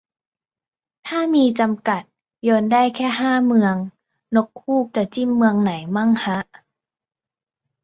ถ้ามีจำกัด โยนได้แค่ห้าเมือง นกฮูกจะจิ้มเมืองไหนมั่งฮะ